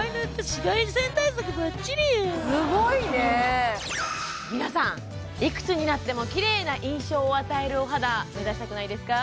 すごいね皆さんいくつになってもキレイな印象を与えるお肌目指したくないですか？